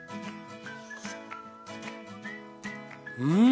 うん！